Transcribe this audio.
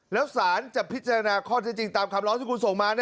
แล้วสารจะพิจารณาข้อเท็จจริงตามคำร้องที่คุณส่งมา